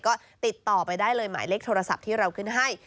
ก็ติดต่อไปได้เลยหมายเลขโทรศัพท์ที่เราขึ้นให้